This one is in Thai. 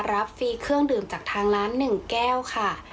ฟรีเครื่องดื่มจากทางร้าน๑แก้วค่ะ